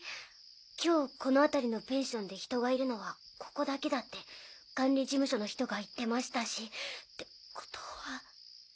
今日この辺りのペンションで人がいるのはここだけだって管理事務所の人が言ってましたし。ってことは。